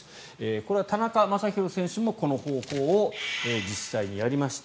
これは田中将大選手もこの方法を実際にやりました。